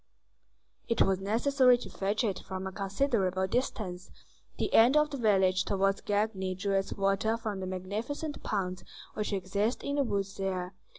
It was necessary to fetch it from a considerable distance; the end of the village towards Gagny drew its water from the magnificent ponds which exist in the woods there.